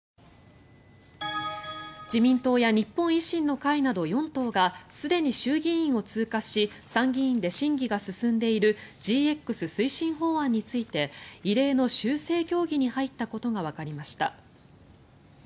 自民党や日本維新の会など４党がすでに衆議院を通過し参議院で審議が進んでいるＧＸ推進法案について異例の修正協議に入ったことがわかりました。